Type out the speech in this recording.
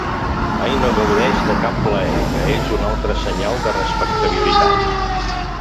Mai no gaudeix de cap plaer, que és un altre senyal de respectabilitat.